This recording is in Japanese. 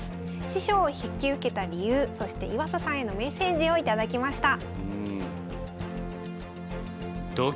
師匠を引き受けた理由そして岩佐さんへのメッセージを頂きました。